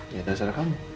ya dasar kamu